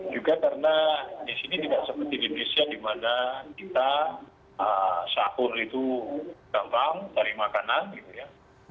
juga karena di sini tidak seperti di indonesia di mana kita sahur itu gampang cari makanan gitu ya